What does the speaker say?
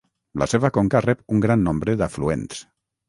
La seva conca rep un gran nombre d'afluents.